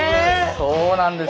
そうなんですよ。